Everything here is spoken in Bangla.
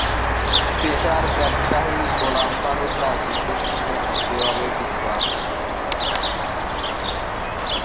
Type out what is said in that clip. পেশার ব্যবসায়ী গোলাম ফারুক রাজনীতির সঙ্গে সক্রিয় ভাবে যুক্ত আছেন।